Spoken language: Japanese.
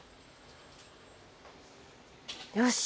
よし。